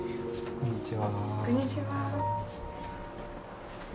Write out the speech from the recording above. こんにちは。